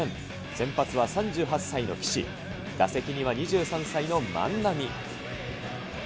先発は３８歳の岸、打席には２３歳の万波。